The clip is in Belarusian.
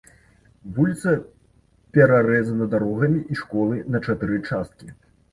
Вуліца перарэзана дарогамі і школай на чатыры часткі.